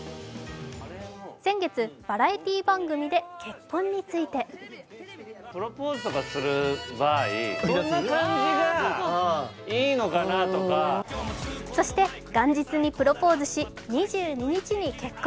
先月、バラエティー番組で結婚についてそして元日にプロポーズし２２日に結婚。